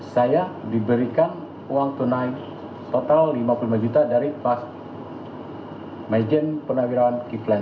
saya diberikan uang tunai total rp lima puluh lima juta dari pak majen purnawirawan